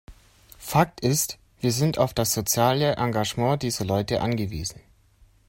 Fakt ist, wir sind auf das soziale Engagement dieser Leute angewiesen.